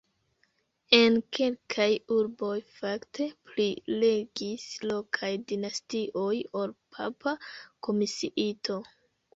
En kelkaj urboj fakte pli regis lokaj dinastioj ol papa komisiito.